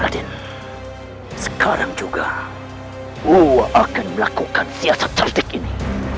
adin sekarang juga gua akan melakukan siasat tertik ini